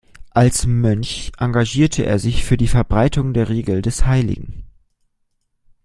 Als Mönch engagierte er sich für die Verbreitung der Regel des Hl.